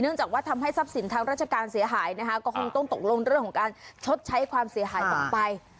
จากว่าทำให้ทรัพย์สินทางราชการเสียหายนะคะก็คงต้องตกลงเรื่องของการชดใช้ความเสียหายต่อไป